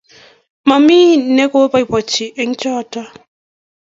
Mami nekoipoipoiton eng' chotok